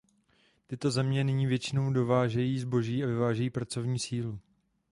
Tyto země nyní většinou dovážejí zboží a vyvážejí pracovní sílu.